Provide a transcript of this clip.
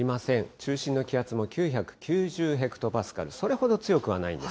中心の気圧は９９０ヘクトパスカル、それほど強くはないんです。